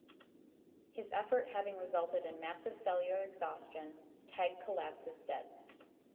His effort having resulted in massive cellular exhaustion, Teg collapses dead.